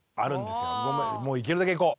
もういけるだけいこう！